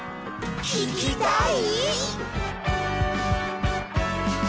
聞きたい？